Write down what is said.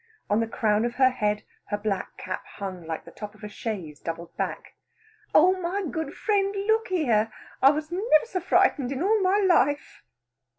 On the crown of her head her black cap hung, like the top of a chaise doubled back. "Oh my good friend, look here! I was never so frightened in all my life."